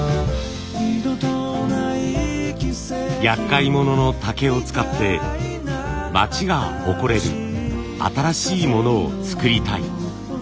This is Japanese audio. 厄介者の竹を使って町が誇れる新しいものを作りたい。